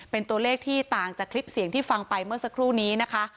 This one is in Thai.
เป็นตัวเลขที่ต่างจากคลิปเสียงที่ฟังไปเมื่อสักครู่นี้นะคะ